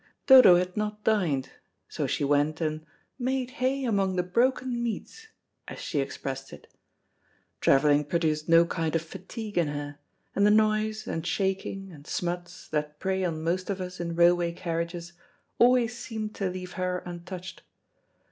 Dodo had not dined, so she went and "made hay among the broken meats," as she expressed it. Travelling produced no kind of fatigue in her; and the noise, and shaking, and smuts, that prey on most of us in railway carriages always seemed to leave her untouched.